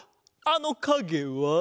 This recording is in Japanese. あのかげは？